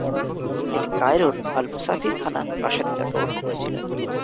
তিনি কায়রোর আল মুসাফির খানা প্রাসাদে জন্মগ্রহণ করেছিলেন।